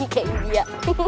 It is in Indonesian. hehehe kayak dia